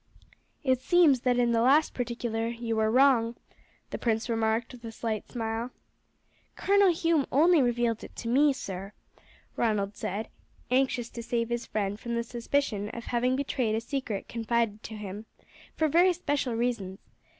"It seems that in the last particular you were wrong," the prince remarked with a slight smile. "Colonel Hume only revealed it to me, sir," Ronald said, anxious to save his friend from the suspicion of having betrayed a secret confided to him, "for very special reasons.